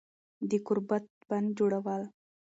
د گوربت بندجوړول